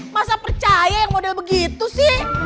masa percaya model yg begitu sama vita